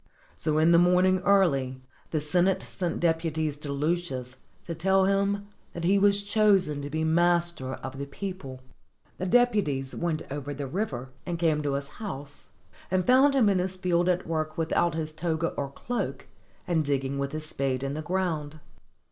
So in the morning early the Senate sent deputies to Lucius to tell him that he was chosen to be master of the people. The deputies went over the river, and came to his house, and found him in his field at work without his toga or cloak, 1 Twelve and one half acres. 308 HOW CINCINNATUS SAVED THE CONSUL and digging with his spade in the ground.